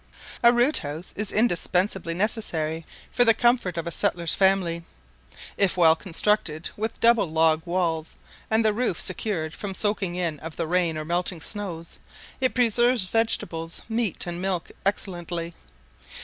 A root house is indispensably necessary for the comfort of a settler's family; if well constructed, with double log walls, and the roof secured from the soaking in of the rain or melting snows, it preserves vegetables, meat, and milk excellently.